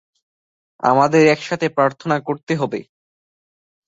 আমাদের একসাথে প্রার্থনা করতে হবে।